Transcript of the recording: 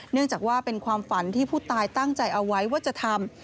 เนื่องจากว่าเป็นความฝันที่ผู้ตายตั้งใจเอาไว้ว่าจะทำ